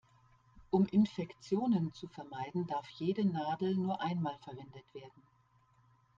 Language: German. Um Infektionen zu vermeiden, darf jede Nadel nur einmal verwendet werden.